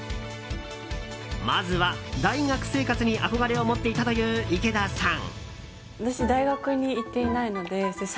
まずは大学生活に憧れを持っていたという池田さん。